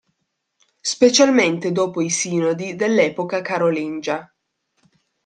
Specialmente dopo i sinodi dell'epoca carolingia.